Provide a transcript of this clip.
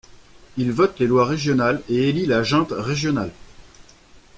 Il vote les lois régionales et élit la junte régionale.